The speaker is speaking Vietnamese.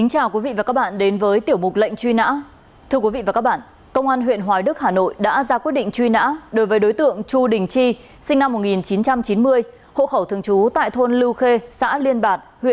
hãy đăng ký kênh để ủng hộ kênh của chúng mình nhé